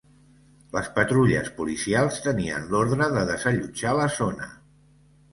Les patrulles policials tenien l'ordre de desallotjar la zona.